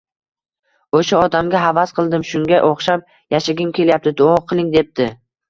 O`sha odamga havas qildim, shunga o`xshab yashagim kelyapti, duo qiling, debdi